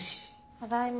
ただいま。